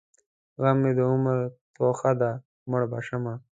غم مې د عمر توښه ده؛ مړ به شم.